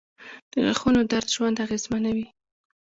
• د غاښونو درد ژوند اغېزمنوي.